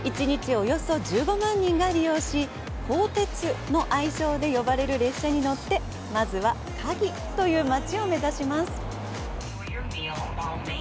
およそ１５万人が利用し、「高鉄」の愛称で呼ばれる列車に乗って、まずは嘉義という街を目指します。